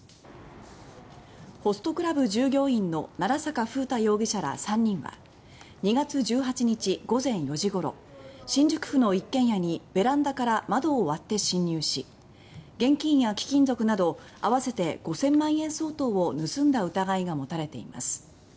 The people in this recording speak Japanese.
ホストクラブ従業員の奈良坂楓太容疑者ら３人は２月１８日午前４時ごろ新宿区の一軒家にベランダから窓を割って侵入し現金や貴金属など合わせて５０００万円相当を盗んだ疑いが持たれています。